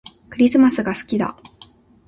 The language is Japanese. クリスマスが好きだ